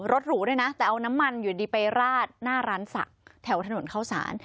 หรูด้วยนะแต่เอาน้ำมันอยู่ดีไปราดหน้าร้านศักดิ์แถวถนนเข้าสาร